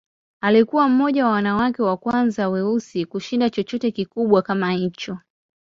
Alikuwa mmoja wa wanawake wa kwanza wa weusi kushinda chochote kikubwa kama hicho.